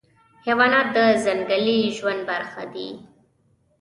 حیوانات د ځنګلي ژوند برخه دي.